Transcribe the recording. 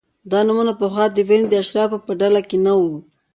دا نومونه پخوا د وینز د اشرافو په ډله کې نه وو